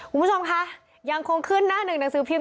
คุณผู้ชมคะยังคงขึ้นหน้าหนึ่งหนังสือพิมพ